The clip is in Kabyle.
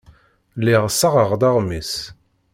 Lliɣ ssaɣeɣ-d aɣmis.